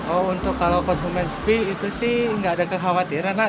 oh untuk kalau konsumen sepi itu sih nggak ada kekhawatiran lah